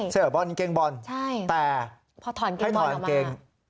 เสื้อบอลเกงบอลแต่พอถอดกางเกงบอลออกมา